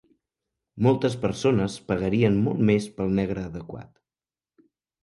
Moltes persones pagarien molt més pel negre adequat.